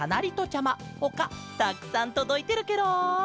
ちゃまほかたくさんとどいてるケロ！